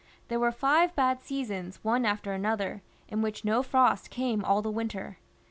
There were five bad seasons one after another/ in which no frost came all the winter.